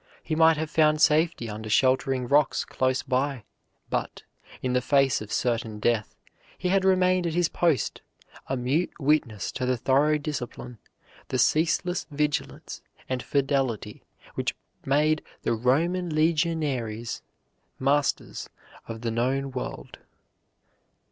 He might have found safety under sheltering rocks close by; but, in the face of certain death, he had remained at his post, a mute witness to the thorough discipline, the ceaseless vigilance and fidelity which made the Roman legionaries masters of the known world.